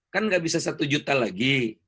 kan nggak bisa satu juta lagi